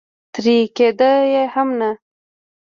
ترې کېده یې هم نه.